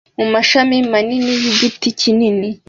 mumashami manini yigiti kinini